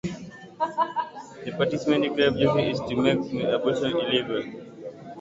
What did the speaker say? The party's main declared objective is to make abortion illegal.